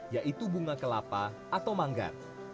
yaitu bunga kelapa atau manggar